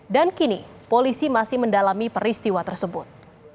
dan kini polisi masih mendalami peristiwa tersebut